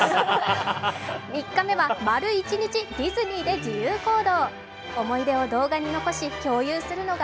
３日目は、丸一日、ディズニーで自由行動。